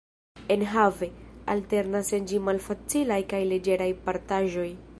Enhave, alternas en ĝi malfacilaj kaj leĝeraj partaĵoj.